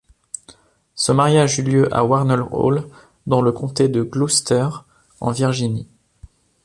Ce mariage eut lieu à Warner Hall dans le Comté de Gloucester en Virginie.